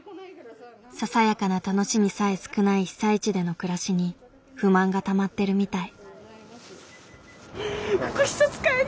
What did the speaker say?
ささやかな楽しみさえ少ない被災地での暮らしに不満がたまってるみたい。